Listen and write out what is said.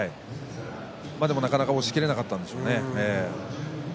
でもなかなか押しきれなかったんでしょうね。